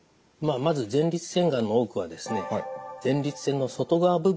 まず前立腺がんの多くはですね